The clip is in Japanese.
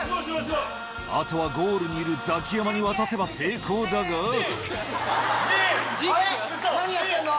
あとはゴールにいるザキヤマに渡せば成功だがあれ⁉何やってんの？